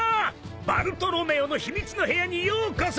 バルトロメオの秘密の部屋にようこそ！